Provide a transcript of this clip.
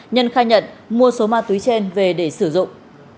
nhân khai nhận mua số ma túy trên về để sử dụng